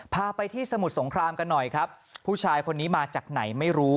พาไปที่สมุทรสงครามกันหน่อยครับผู้ชายคนนี้มาจากไหนไม่รู้